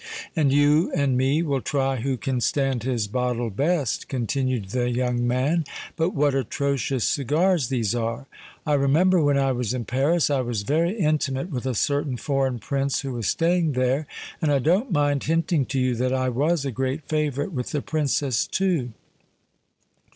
"And you and me will try who can stand his bottle best," continued the young man. "But what atrocious cigars these are! I remember when I was in Paris, I was very intimate with a certain foreign Prince who was staying there—and I don't mind hinting to you that I was a great favourite with the Princess too.